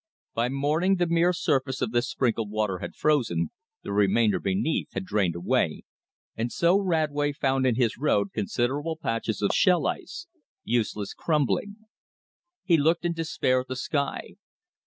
By morning the mere surface of this sprinkled water had frozen, the remainder beneath had drained away, and so Radway found in his road considerable patches of shell ice, useless, crumbling. He looked in despair at the sky.